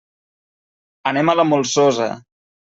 Anem a la Molsosa.